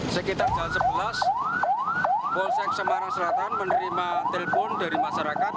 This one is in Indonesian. sekitar jam sebelas polsek semarang selatan menerima telepon dari masyarakat